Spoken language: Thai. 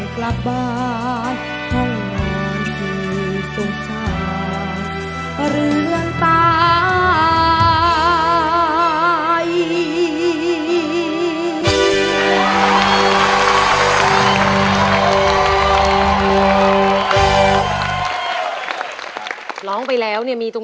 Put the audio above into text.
คือร้องได้ให้ล้าง